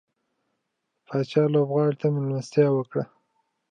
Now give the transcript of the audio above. پاچا لوبغاړو ته ملستيا وکړه.